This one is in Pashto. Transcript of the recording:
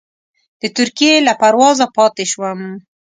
د ترکیې له پروازه پاتې شوم.